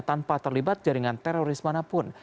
tanpa terlibat jaringan teroris manapun